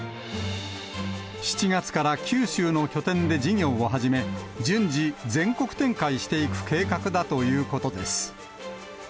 ７月から九州の拠点で事業を始め、順次、全国展開していく計画だということです。